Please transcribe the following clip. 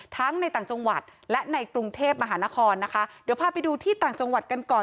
ในต่างจังหวัดและในกรุงเทพมหานครนะคะเดี๋ยวพาไปดูที่ต่างจังหวัดกันก่อน